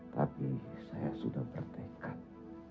tapi saya sudah bertekad